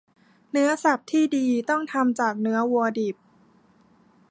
เนื้อสับที่ดีต้องทำจากเนื้อวัวดิบ